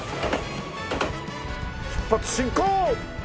出発進行！